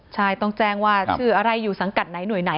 ใช่ต้องแจ้งว่าชื่ออะไรอยู่สังกัดไหนหน่วยไหน